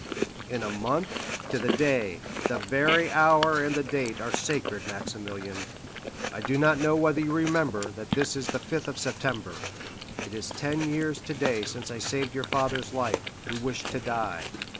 "In a month, to the day, the very hour and the date is a sacred one, Maximilian. I do not know whether you remember that this is the 5th of September; it is ten years today since I saved your father's life, who wished to die."